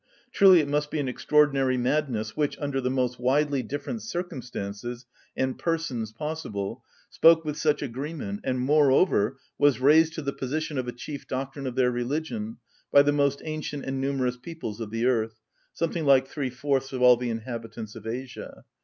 Truly it must be an extraordinary madness which, under the most widely different circumstances and persons possible, spoke with such agreement, and, moreover, was raised to the position of a chief doctrine of their religion, by the most ancient and numerous peoples of the earth, something like three‐fourths of all the inhabitants of Asia.